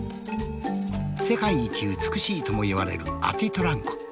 世界一美しいともいわれるアティトラン湖。